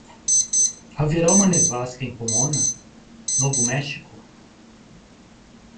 Haverá uma nevasca em Pomona? Novo México?